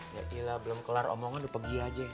yailah belum kelar omongan udah pergi aja